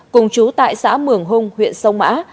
cùng chú tại xã mường hùng huyện sông mã